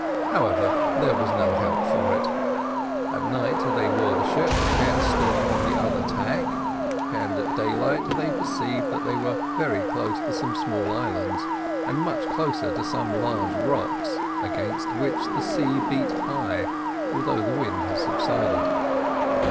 However, there was no help for it: at night they wore the ship, and stood on the other tack, and at daylight they perceived that they were close to some small islands, and much closer to some large rocks, against which the sea beat high, although the wind had subsided.